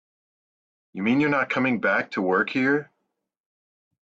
You mean you're not coming back to work here?